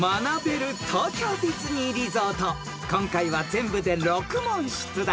［今回は全部で６問出題］